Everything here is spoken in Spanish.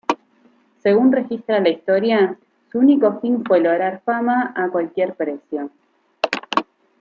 Según registra la historia, su único fin fue lograr fama a cualquier precio.